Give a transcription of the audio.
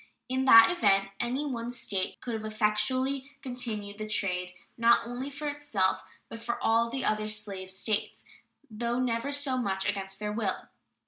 In that event any one State could have effectually continued the trade, not only for itself, but for all the other slave States, though never so much against their will.